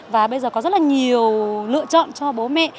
và bây giờ có rất là nhiều lựa chọn cho bố mẹ